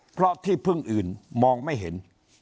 เพราะที่พึ่งอื่นมองไม่เห็น